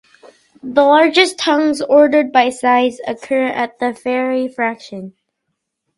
The largest tongues, ordered by size, occur at the Farey fractions.